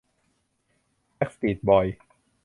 แบ็กสตรีทบอยส์